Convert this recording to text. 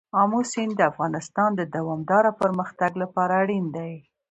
آمو سیند د افغانستان د دوامداره پرمختګ لپاره اړین دی.